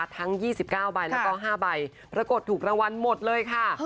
ทั้ง๒๙ใบแล้วก็๕ใบปรากฏถูกรางวัลหมดเลยค่ะ